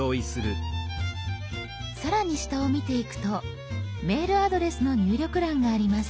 更に下を見ていくとメールアドレスの入力欄があります。